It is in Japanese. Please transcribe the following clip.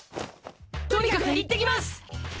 とにかく行ってきます！